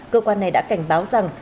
cơ quan này đã cảnh báo rằng